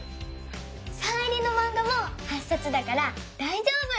サイン入りのマンガも８さつだからだいじょうぶ！